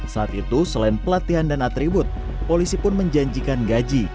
saat itu selain pelatihan dan atribut polisi pun menjanjikan gaji